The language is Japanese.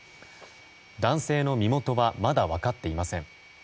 男性の身元はまだ分かっていません。